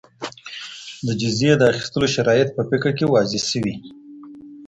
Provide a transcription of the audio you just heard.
د جزيې د اخيستلو شرايط په فقه کي واضح سوي.